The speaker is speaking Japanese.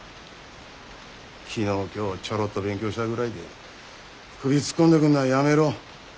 昨日今日ちょろっと勉強したぐらいで首突っ込んでくんのはやめろ。